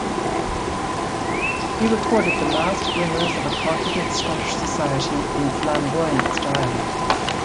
He recorded the last glimmers of a confident Scottish society in flamboyant style.